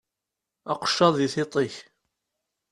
Aqeccaḍ deg tiṭ-ik!